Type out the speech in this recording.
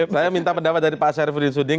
saya minta pendapat dari pak syarifudin suding